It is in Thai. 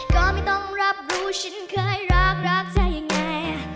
ก็ไม่ต้องรับรู้ฉันเคยรักรักเธอยังไง